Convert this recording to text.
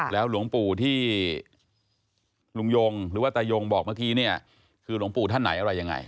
แล้วหลวงปู่ที่ลุงยงหรือว่าตายงบอกเมื่อกี้เนี่ยคือหลวงปู่ท่านไหนอะไรยังไง